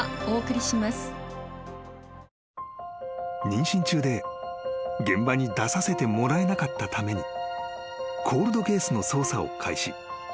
［妊娠中で現場に出させてもらえなかったためにコールドケースの捜査を開始］